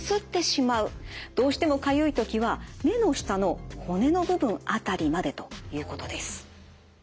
どうしてもかゆい時は目の下の骨の部分辺りまでということです。